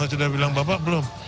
sudah bilang bapak belum